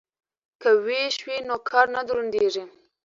که ویش وي نو کار نه درندیږي.